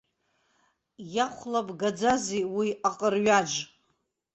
Иахәлабгаӡазеи уи аҟырҩаџ.